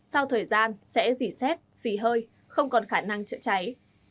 sau thời gian sẽ dỉ xét xỉ hơi không còn khả năng chữa cháy